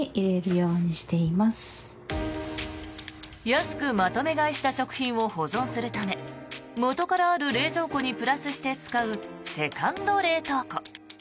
安くまとめ買いした食品を保存するため元からある冷蔵庫にプラスして使うセカンド冷凍庫。